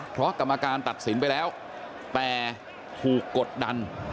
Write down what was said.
เพราะกรรมการตัดสินไปแล้วแต่ถูกกดดัน